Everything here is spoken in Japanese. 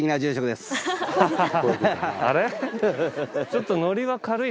あれ？